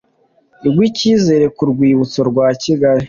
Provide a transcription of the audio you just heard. rw Icyizere ku Rwibutso rwa Kigali